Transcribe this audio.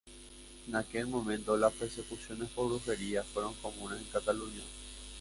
En aquel momento las persecuciones por brujería fueron comunes en Cataluña.